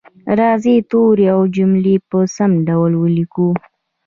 راځئ توري او جملې په سم ډول ولیکو